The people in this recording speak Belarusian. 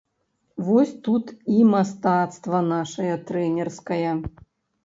Вось тут і мастацтва нашае трэнерскае.